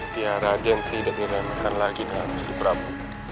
biar raden tidak diremehkan lagi dengan gusti prabu